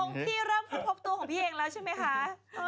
เว้ยตอนตรงที่เริ่มพบตัวของพี่เองแล้วใช่ไหมค่ะ